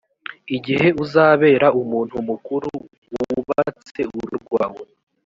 igihe uzabera umuntu mukuru wubatse urugo rwawe